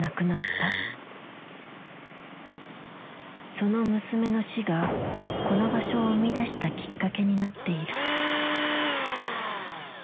その娘の死がこの場所を生み出したきっかけになっている。